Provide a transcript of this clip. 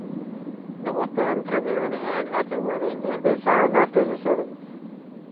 The "Oakland Tribune" had Attel winning every round after the seventh.